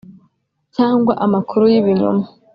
cyangwa amakuru yi binyoma